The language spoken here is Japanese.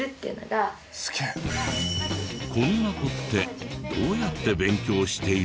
こんな子ってどうやって勉強しているの？